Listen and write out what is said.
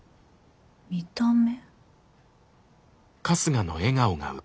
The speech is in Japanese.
「見た目」。